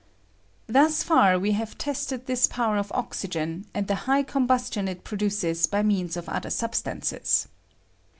Thus far we have tested this power of oxygen, and the high combustion it produces by means of other substances.